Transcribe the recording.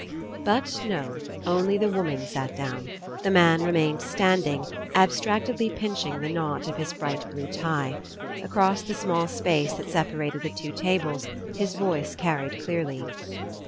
But no. Only the woman sat down. The man remained standing, abstractedly pinching the knot of his bright blue tie. Across the small space that separated the two tables his voice carried clearly.